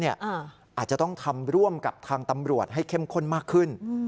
อาจจะต้องทำร่วมกับทางตำรวจให้เข้มข้นมากขึ้น